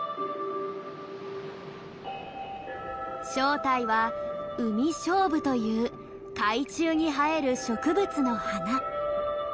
正体はウミショウブという海中に生える植物の花。